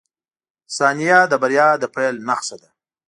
• ثانیه د بریا د پیل نښه ده.